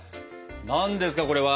何ですかこれは。